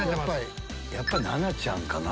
やっぱ奈々ちゃんかな。